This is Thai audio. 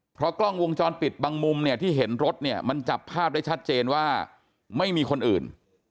เพราะกล้องวงจรปิดบางมุมเนี่ยที่เห็นรถเนี่ยมันจับภาพได้ชัดเจนว่าไม่มีคนอื่น